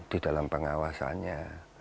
di dalam pengawasannya